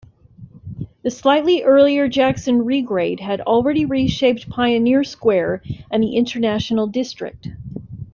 The slightly earlier Jackson Regrade had already reshaped Pioneer Square and the International District.